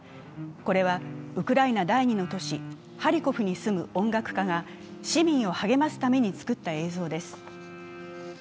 これは、ウクライナ第２の都市、ハリコフに住む音楽家が市民を励ますために作った映像です。